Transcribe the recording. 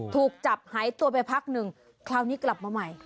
ถูกจับหายตัวไปพักหนึ่งคราวนี้กลับมาใหม่